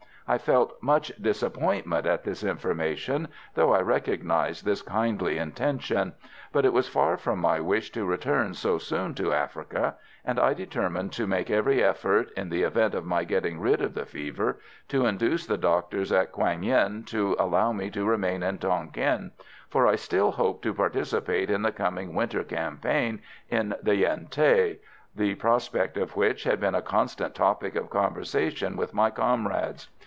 I felt much disappointed at this information, though I recognised his kindly intention; but it was far from my wish to return so soon to Africa, and I determined to make every effort, in the event of my getting rid of the fever, to induce the doctors at Quang Yen to allow me to remain in Tonquin, for I still hoped to participate in the coming winter campaign in the Yen Thé, the prospects of which had been a constant topic of conversation with my comrades.